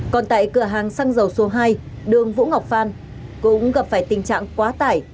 còn tại cửa hàng xăng dầu số hai đường vũ ngọc phan cũng gặp phải tình trạng quá tải